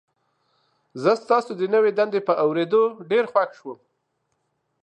زه ستاسو د نوي دندې په اوریدو ډیر خوښ یم.